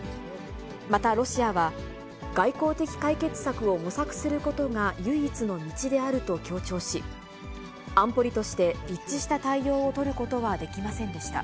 またロシアは、外交的解決策を模索することが唯一の道であると強調し、安保理として一致した対応を取ることはできませんでした。